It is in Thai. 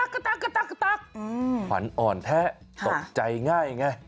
ขวัญอ่อนแท้ตกใจง่ายไง